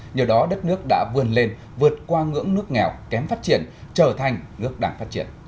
nhờ đó đất nước đã vươn lên vượt qua ngưỡng nước nghèo kém phát triển trở thành nước đảng phát triển